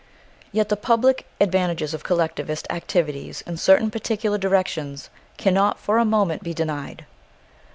Yet the public advantages of collectivist activities in certain particular directions cannot for a moment be denied.